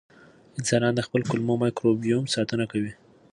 انسانان د خپل کولمو مایکروبیوم ساتنه کوي.